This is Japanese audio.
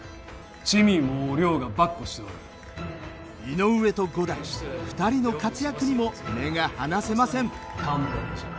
井上と五代２人の活躍にも目が離せません。